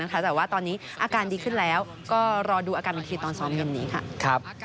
แต่ว่าตอนนี้อาการดีขึ้นแล้วก็รอดูอาการอีกทีตอนซ้อมเย็นนี้ค่ะ